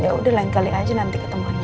ya udah lain kali aja nanti ketemunya ya